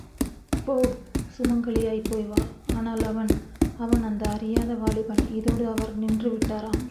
போ, சுமங்கலியாய்ப் போய் வா ஆனால், அவன்.... அவன்... அந்த அறியாத வாலிபன்!... இதோடு அவர் நின்றுவிட்டாராம்.